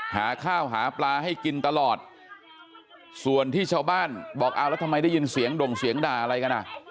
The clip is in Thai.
หาข้าวหาปลาให้กินตลอดส่วนที่ชาวบ้านบอกเอาแล้วทำไมได้ยินเสียงด่งเสียงด่าอะไรกันอ่ะ